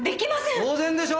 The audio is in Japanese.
当然でしょ！